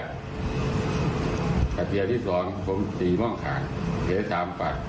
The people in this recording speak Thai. แต่เทียนที่สองผมสีบ้างขาวเทียนอีก๓บาท